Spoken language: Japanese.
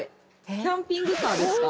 キャンピングカーですか？